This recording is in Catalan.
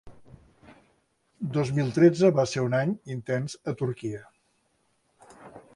Dos mil tretze va ser un any intens a Turquia.